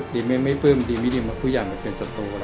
ดีไม่แป้วมดีไม่ดีเพราะยังไม่เป็นโต